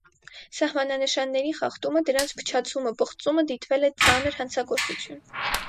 Սահմանանշանների խախտումը, դրանց փչացումը, պղծումը դիտվել է ծանր հանցագործություն։